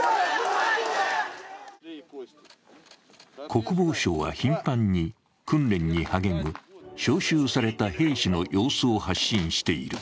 国防省は頻繁に、訓練に励む招集された兵士の様子を発信している。